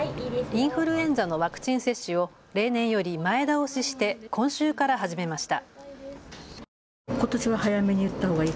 インフルエンザのワクチン接種を例年より前倒しして今週から始めました。